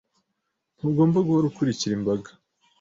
Ntugomba guhora ukurikira imbaga.